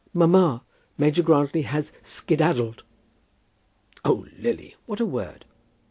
Mamma, Major Grantly has skedaddled." "Oh, Lily, what a word!"